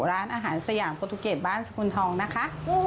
ร้านอาหารสยามโปรตุเกตบ้านสกุลทองนะคะ